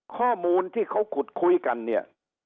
ข้อมูลที่เขาขุดคุยกันเนี่ย